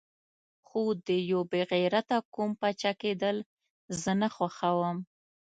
خو د یو بې غیرته قوم پاچا کېدل زه نه خوښوم.